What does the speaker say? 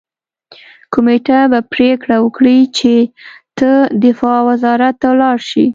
کمېټه به پریکړه وکړي چې ته دفاع وزارت ته لاړ شې